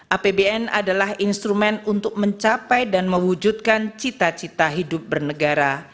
apbn adalah instrumen untuk mencapai dan mewujudkan cita cita hidup bernegara